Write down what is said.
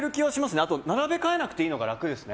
あと並べ替えなくていいのが楽ですね。